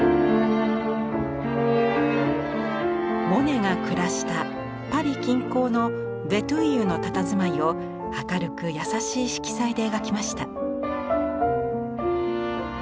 モネが暮らしたパリ近郊のヴェトゥイユのたたずまいを明るく優しい色彩で描きました。